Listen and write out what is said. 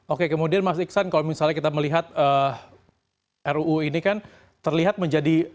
oke kemudian mas iksan kalau misalnya kita melihat ruu ini kan terlihat menjadi